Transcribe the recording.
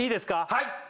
はい！